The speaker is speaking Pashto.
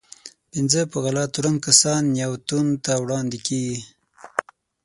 پنځه په غلا تورن کسان نياوتون ته وړاندې کېږي.